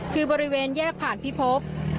คือบริเวณแยกผ่านพิภพ